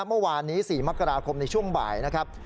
เมื่อวานนี้๔มกราคมในช่วงบ่ายนะครับ